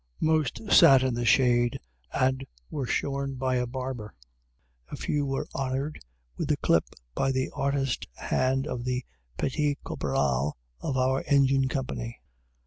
Most sat in the shade and were shorn by a barber. A few were honored with a clip by the artist hand of the petit caporal of our Engineer Company.